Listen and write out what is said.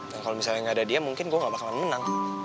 dan kalo misalnya ga ada dia mungkin gua ga bakalan menang